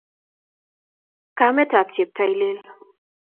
kamet ap cheptailel